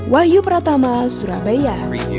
wahyu pratama surabaya